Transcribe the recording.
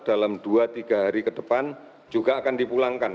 dalam dua tiga hari ke depan juga akan dipulangkan